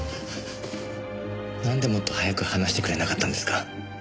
なんでもっと早く話してくれなかったんですか。